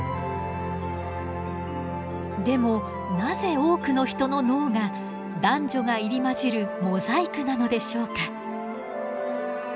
でもなぜ多くの人の脳が男女が入り交じるモザイクなのでしょうか？